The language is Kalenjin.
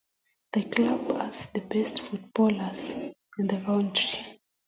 The club has the best football players in the country.